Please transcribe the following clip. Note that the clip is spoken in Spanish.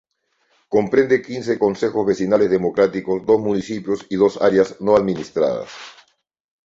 Comprende quince consejos vecinales democráticos dos municipios y dos áreas no administradas.